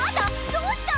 どうした！？